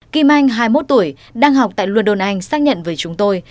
kim anh hai mươi một tuổi đang học tại london anh xác nhận với chúng tôi